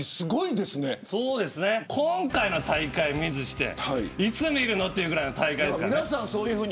今回の大会見ずしていつ見るのという大会ですから。